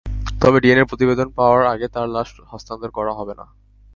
তবে ডিএনএ প্রতিবেদন পাওয়ার আগে তাঁর লাশ হস্তান্তর করা হবে না।